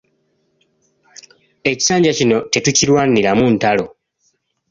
Ekisanja kino tetukirwaniramu ntalo.